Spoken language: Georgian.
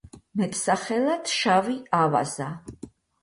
მეტსახელად „შავი ავაზა“.